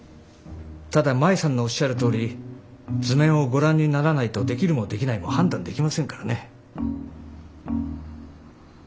ただ舞さんのおっしゃるとおり図面をご覧にならないとできるもできないも判断できませんからね。